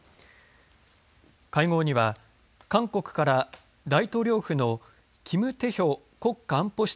会合には韓国から大統領府のキム・テヒョ国家安保室